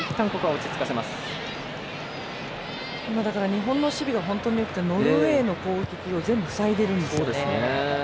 日本の守備が本当によくてノルウェーの攻撃を全部、塞いでるんですよね。